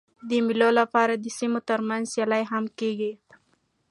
د مېلو له پاره د سیمو تر منځ سیالۍ هم کېږي.